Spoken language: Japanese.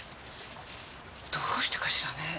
どうしてかしらねぇ？